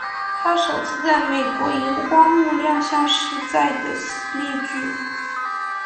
她首次在美国萤光幕亮相是在的系列剧。